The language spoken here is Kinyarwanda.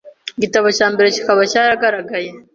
igitabo cya mbere kikaba cyaragaragaye